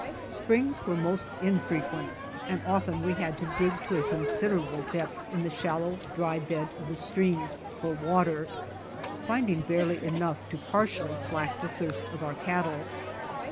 Springs were most infrequent and often we had to dig to a considerable depth in the shallow, dry bed of the streams for water, finding barely enough to partially slack the thirst of our cattle.